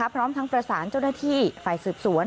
พร้อมทั้งประสานเจ้าหน้าที่ฝ่ายสืบสวน